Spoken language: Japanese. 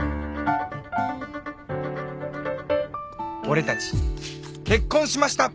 「俺たち結婚しました！